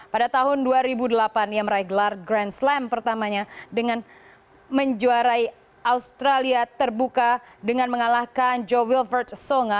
pada tahun dua ribu delapan ia meraih gelar grand slam pertamanya dengan menjuarai australia terbuka dengan mengalahkan joe wilford songa